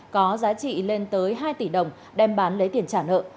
có giá trị lên tới hai tỷ đồng đem bán lấy tiền trả nợ